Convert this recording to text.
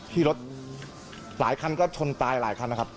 ที่รถหลายคันก็ชนตายหลายคันนะครับ